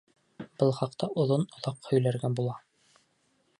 Был хаҡта оҙон-оҙаҡ һөйләргә була.